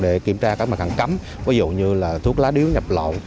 để kiểm tra các mặt hàng cấm ví dụ như là thuốc lá điếu nhập lậu